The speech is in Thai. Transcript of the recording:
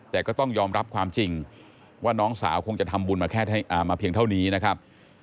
แต่ก็ต้องยอมรับความจริงว่าน้องสาวคงจะทำบุญมาแค่มาเพียงเท่านี้นะครับ